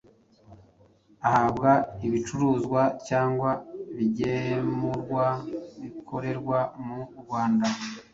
ahabwa ibicuruzwa cyangwa ibigemurwa bikorerwa mu Rwanda